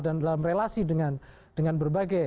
dan dalam relasi dengan berbagai